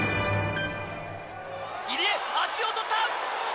入江、足を取った。